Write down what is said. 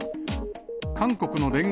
韓国の聯合